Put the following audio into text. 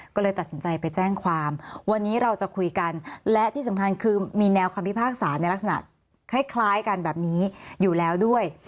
ก็เลยตัดสินใจไปแจ้งความวันนี้เราจะคุยกันและที่สำคัญคือมีแนวคำพิพากษาในลักษณะคล้ายกันแบบนี้อยู่แล้วด้วย